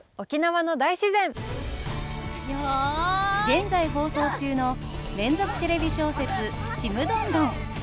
現在放送中の連続テレビ小説「ちむどんどん」。